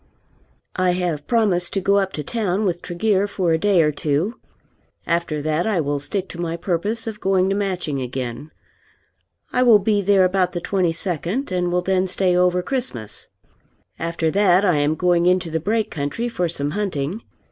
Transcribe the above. I have promised to go up to town with Tregear for a day or two. After that I will stick to my purpose of going to Matching again. I will be there about the 22nd, and will then stay over Christmas. After that I am going into the Brake country for some hunting.